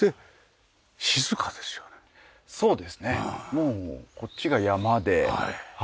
もうこっちが山ではい。